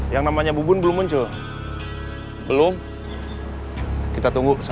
terus terus terus terus